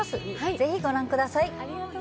是非ご覧ください！